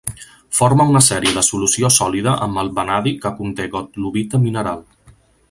Forma una sèrie de solució sòlida amb el vanadi que conté gottlobita mineral.